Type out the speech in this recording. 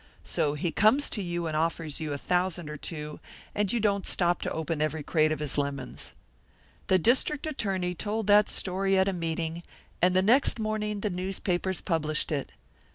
So he comes to you and offers you a thousand or two, and you don't stop to open every crate of his lemons.' "The district attorney told that story at a meeting, and the next morning the newspapers published it.